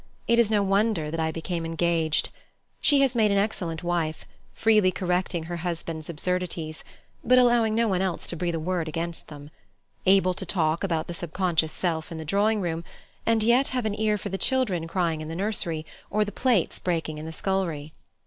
It is no wonder that I became engaged. She has made an excellent wife, freely correcting her husband's absurdities, but allowing no one else to breathe a word against them; able to talk about the sub conscious self in the drawing room, and yet have an ear for the children crying in the nursery, or the plates breaking in the scullery.